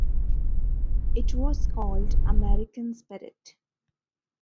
It was called "American Spirit".